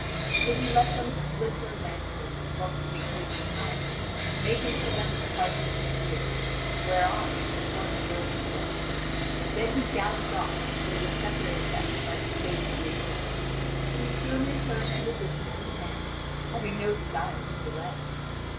So he let them split their lances, while keeping his entire, making for them a target of his shield, whereon each one broke his lance. Then he galloped off until he was separated from them by the space of an acre; but he soon returned to the business in hand, having no desire to delay.